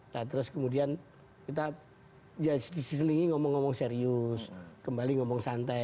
nah terus kemudian kita diselingi ngomong ngomong serius kembali ngomong santai